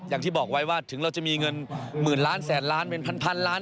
อย่างที่บอกไว้ว่าถึงเราจะมีเงินหมื่นล้านแสนล้านเป็นพันล้าน